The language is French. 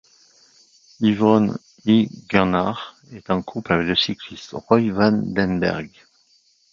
Yvonne Hijgenaar est en couple avec le cycliste Roy van den Berg.